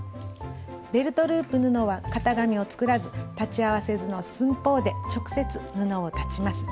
ベルトループ布は型紙を作らず裁ち合わせ図の寸法で直接布を裁ちます。